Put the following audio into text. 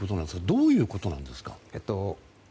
どういうことなんですか？